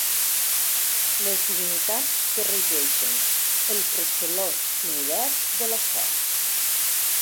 Les divinitats que regeixen el procel·lós univers de la sort.